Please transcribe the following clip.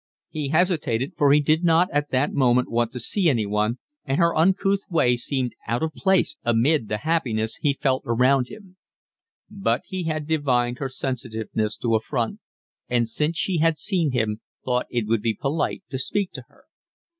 He hesitated, for he did not at that moment want to see anyone, and her uncouth way seemed out of place amid the happiness he felt around him; but he had divined her sensitiveness to affront, and since she had seen him thought it would be polite to speak to her.